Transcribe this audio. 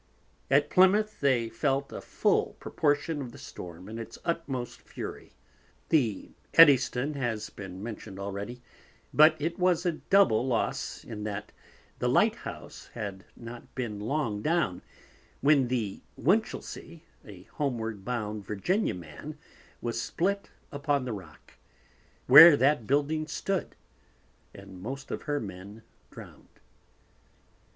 At Plymouth they felt a full Proportion of the Storm in its utmost fury, the Edystone has been mention'd already, but it was a double loss in that, the light House had not been long down, when the Winchelsea, a homeward bound Virginia Man was split upon the Rock, where that Building stood, and most of her Men drowned.